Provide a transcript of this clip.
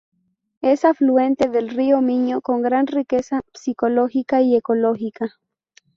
Es afluente del río Miño con gran riqueza piscícola y ecológica.